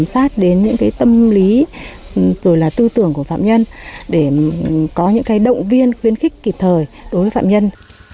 xác đến những tâm lý tư tưởng của phạm nhân để có những động viên khuyến khích kịp thời đối với phạm nhân